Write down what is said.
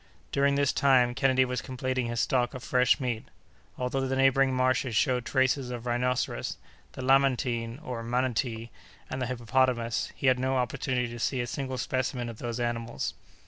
During this time Kennedy was completing his stock of fresh meat. Although the neighboring marshes showed traces of the rhinoceros, the lamantine (or manatee), and the hippopotamus, he had no opportunity to see a single specimen of those animals.